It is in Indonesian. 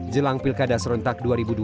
jelang pilkada serentak dua ribu dua puluh